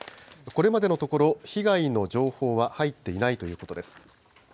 これまでのところ、被害の情報は入っていないということです。